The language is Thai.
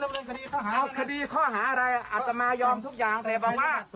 เอาคดีข้อหาอะไรอาจจะมายอมทุกอย่างเรียบร้อยว่า